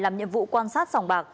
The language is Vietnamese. làm nhiệm vụ quan sát sòng bạc